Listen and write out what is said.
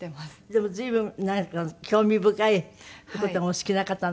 でも随分なんか興味深い事がお好きな方なのね。